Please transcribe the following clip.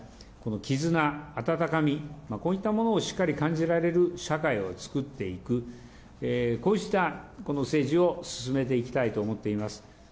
絆、あたたかみ、こういったものをしっかり感じられる社会を作っていく、こうしたこの政治を進めていきたいと思っています。